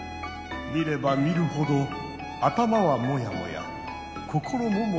見れば見るほど頭はモヤモヤ心もモヤモヤ。